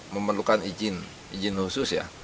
memerlukan izin izin khusus ya